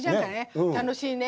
楽しいね！